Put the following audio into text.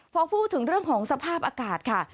พอพูดถึงเรื่องของสภาพอากาศค่ะ